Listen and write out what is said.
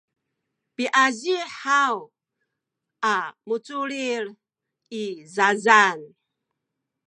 piazihi haw a muculil i zazan